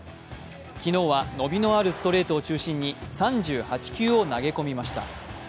昨日は伸びのあるストレートを中心に３８球を投げ込みました。